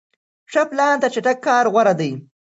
ښه پلان تر چټک کار غوره دی.